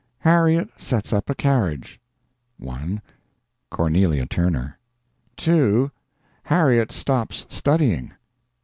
Harriet sets up carriage. 1. CORNELIA TURNER. 2. Harriet stops studying.